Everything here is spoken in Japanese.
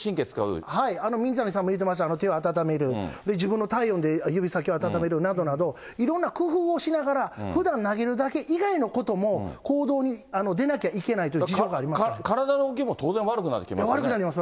ミニタニさんも言ってました、自分の手で温める、自分の体温で指先を温めるなどなど、いろんな工夫をしながら、ふだん投げるだけ以外のことも行動に出なきゃいけないという事情体の動きも当然悪くなります